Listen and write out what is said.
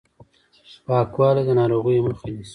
پاکوالی د ناروغیو مخه نیسي.